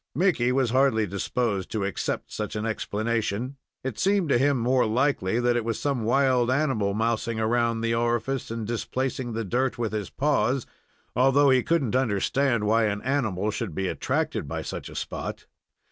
Mickey was hardly disposed to accept such an explanation. It seemed to him more likely that it was some wild animal mousing around the orifice, and displacing the dirt with his paws, although he couldn't understand why an animal should be attracted by such a spot.